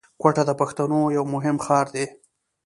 کوټه د پښتنو یو مهم ښار دی